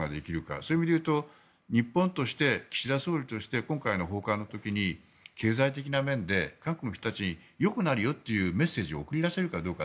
そういう意味で言うと日本として、岸田総理として今回の訪韓の時に経済的な面で韓国の人たちによくなるよというメッセージを送り出せるかどうか。